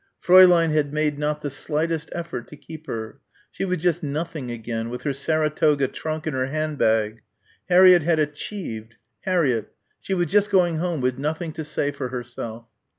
Fräulein had made not the slightest effort to keep her. She was just nothing again with her Saratoga trunk and her hand bag. Harriett had achieved. Harriett. She was just going home with nothing to say for herself.